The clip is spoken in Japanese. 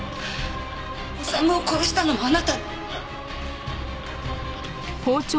修を殺したのもあなたね！